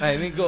nah ini kok